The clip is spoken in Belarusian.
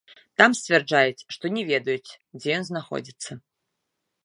Там сцвярджаюць, што не ведаюць, дзе ён знаходзіцца.